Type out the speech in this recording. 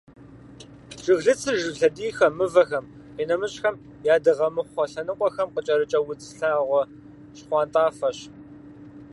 Жыглыцыр жыг лъэдийхэм, мывэхэм, къинэмыщӏхэм я дыгъэмыхъуэ лъэныкъуэхэм къыкӏэрыкӏэ удз лъагъуэ щхъуантӏафэщ.